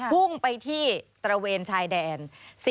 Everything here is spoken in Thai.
พุ่งไปที่ตระเวนชายแดน